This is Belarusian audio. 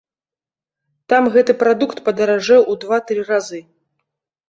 Там гэты прадукт падаражэў у два-тры разы.